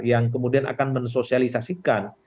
yang kemudian akan mensosialisasikan